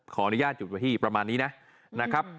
ขออนุญาตจุดไว้ที่ประมาณนี้นะนะครับ